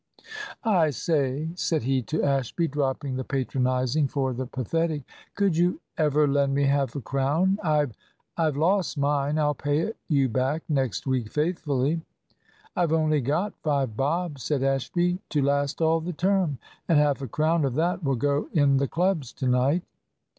"I say," said he to Ashby, dropping the patronising for the pathetic, "could you ever lend me half a crown? I've I've lost mine I'll pay it you back next week faithfully." "I've only got five bob," said Ashby; "to last all the term, and half a crown of that will go in the clubs to night."